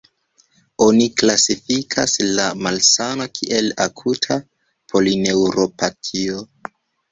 Oni klasifikas la malsano kiel akuta polineuropatio.